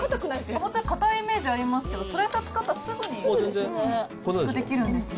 かぼちゃ硬いイメージありますけど、それ使うとすぐにできるんですね。